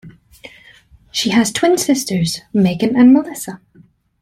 She has twin sisters Megan and Melissa.